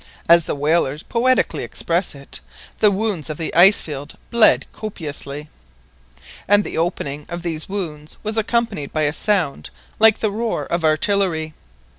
As the whalers poetically express it, the "wounds of the ice field bled copiously," and the opening of these "wounds" was accompanied by a sound like the roar of artillery.